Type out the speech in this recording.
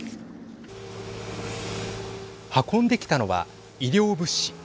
運んできたのは医療物資。